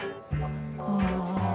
ああ。